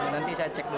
nanti saya cek dulu